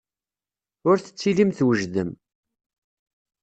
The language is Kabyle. Ur tettilim twejdem.